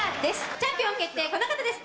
チャンピオン決定この方です